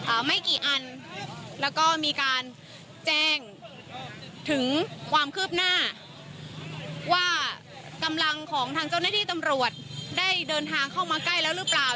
ไม่กี่อันแล้วก็มีการแจ้งถึงความคืบหน้าว่ากำลังของทางเจ้าหน้าที่ตำรวจได้เดินทางเข้ามาใกล้แล้วหรือเปล่า